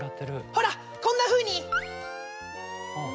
ほらこんなふうに！